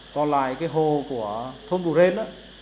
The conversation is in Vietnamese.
còn lại cái hồ của thôn bù ren